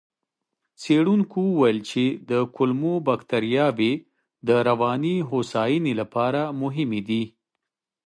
څېړونکو وویل چې کولمو بکتریاوې د رواني هوساینې لپاره مهمې دي.